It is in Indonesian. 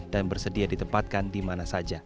dan bersedia ditempatkan dimana saja